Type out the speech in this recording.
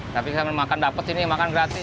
tapi saya makan dapat sini makan gratis